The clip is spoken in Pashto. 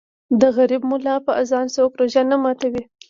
ـ د غریب ملا په اذان څوک روژه نه ماتوي.